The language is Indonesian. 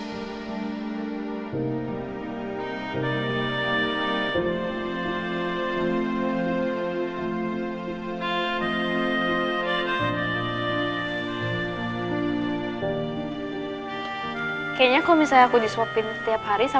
maksudnya aku standing disuapin sama ibu